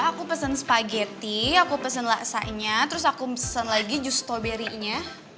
mbak aku pesen spageti aku pesen laksanya terus aku pesen lagi jus tauberinya